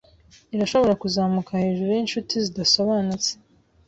Irashobora kuzamuka hejuru yinshuti zidasobanutse;